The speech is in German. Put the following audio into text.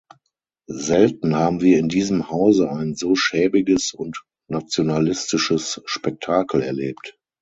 Selten haben wir in diesem Hause ein so schäbiges und nationalistisches Spektakel erlebt!